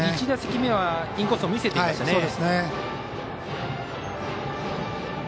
１打席目はインコースを見せていましたね。